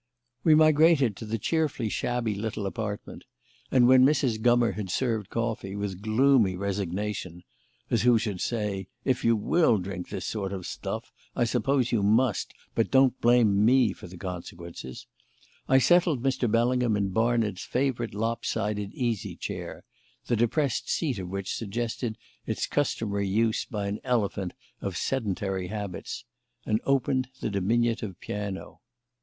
We migrated to the cheerfully shabby little apartment, and, when Mrs. Gummer had served coffee, with gloomy resignation (as who should say: "If you will drink this sort of stuff I suppose you must, but don't blame me for the consequences"), I settled Mr. Bellingham in Barnard's favourite lop sided easy chair the depressed seat of which suggested its customary use by an elephant of sedentary habits and opened the diminutive piano.